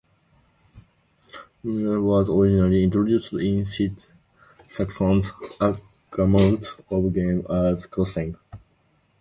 Epaminondas was originally introduced in Sid Sackson's "A Gamut of Games" as "Crossings".